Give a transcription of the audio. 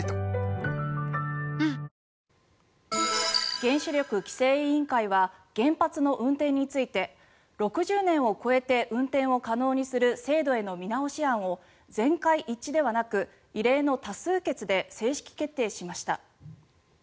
原子力規制委員会は原発の運転について６０年を超えて運転を可能にする制度への見直し案を全会一致ではなく異例の多数決で正式決定しました。